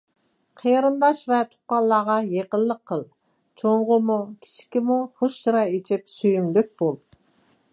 قېرىنداش ۋە تۇغقانلارغا يېقىنلىق قىل، چوڭغىمۇ كىچىككىمۇ خۇش چىراي ئېچىپ سۆيۈملۈك بول.